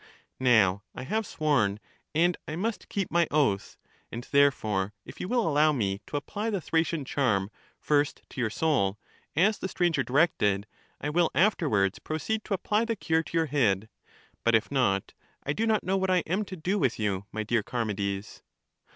Now I have sworn, and I must keep my oath, and therefore if you will CHARMIDES 13 allow me ix) apply the Thracian charm first to your soul, as the stranger directed, I will afterwards pro ceed to apply the cure to your head. But if not, I do not know what J am to do with you, my dear Char mides.